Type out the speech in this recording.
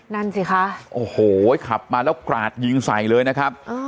นั่นสิคะโอ้โหขับมาแล้วกราดยิงใส่เลยนะครับ